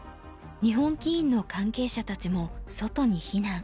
日本棋院の関係者たちも外に避難。